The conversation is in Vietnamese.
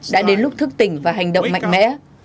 đã đến lúc thức tỉnh và hành động mạnh mẽ